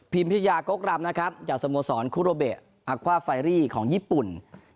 พิชยากกรำนะครับจากสโมสรคุโรเบะอักฟว่าไฟรี่ของญี่ปุ่น